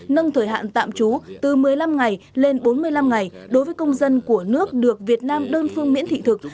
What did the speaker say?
nâng thời hạn tạm trú từ một mươi năm ngày lên bốn mươi năm ngày đối với công dân của nước được việt nam đơn phương miễn thị thực